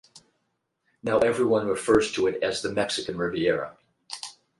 Now everyone refers to it as the Mexican Riviera.